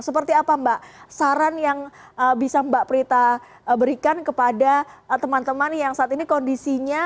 seperti apa mbak saran yang bisa mbak prita berikan kepada teman teman yang saat ini kondisinya